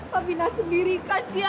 papi nak sendiri kasihan